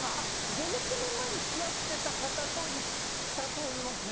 ５６年前に付き合ってた方と行ったと思いますね。